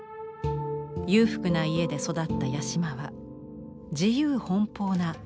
裕福な家で育った八島は自由奔放なガキ大将でした。